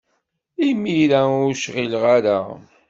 Imir-a ur cɣileɣ ara.